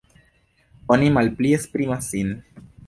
Oni malpli esprimas sin.